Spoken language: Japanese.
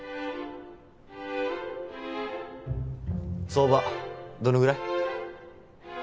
相場どのぐらい？